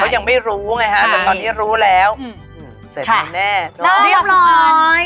ยังไม่รู้ไงฮะแต่ตอนนี้รู้แล้วเสร็จแน่เรียบร้อย